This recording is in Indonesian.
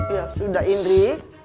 ya sudah indri